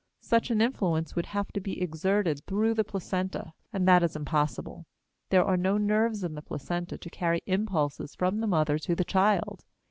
Such an influence would have to be exerted through the placenta; and that is impossible. There are no nerves in the placenta to carry impulses from the mother to the child.